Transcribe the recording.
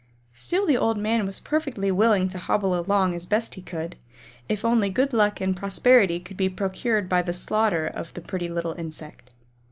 Still the old man was perfectly willing to hobble along as best he could, if only good luck and prosperity could be procured by the slaughter of the pretty little insect.